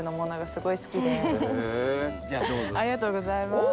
ありがとうございます。